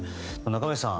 中林さん